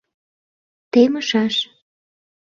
Темышаш.